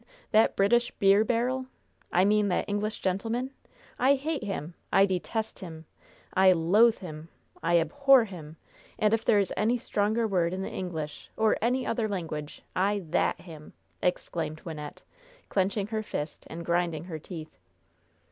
that British beer barrel? I mean that English gentleman? I hate him! I detest him! I loathe him! I abhor him! And if there is any stronger word in the English or any other language, I that him!" exclaimed Wynnette, clenching her fist and grinding her teeth.